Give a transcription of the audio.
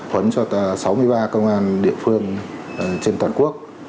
huấn cho sáu mươi ba công an địa phương trên toàn quốc